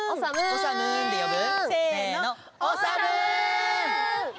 おさむんで呼ぶ？